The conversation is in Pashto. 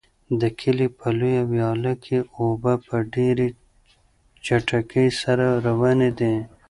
د کلي په لویه ویاله کې اوبه په ډېرې چټکۍ سره روانې دي.